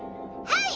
はい？